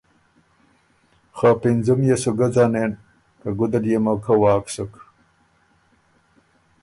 خه پِنځُم يې سُو ګۀ ځنېن که ګُده ليې موقع واک سُک۔